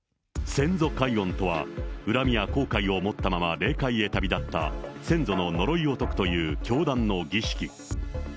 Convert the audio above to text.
先祖解怨とは恨みや後悔を持ったまま霊界へ旅立った先祖の呪いを解くという教団の儀式。